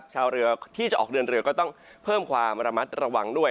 ชาวเรือที่จะออกเดินเรือก็ต้องเพิ่มความระมัดระวังด้วย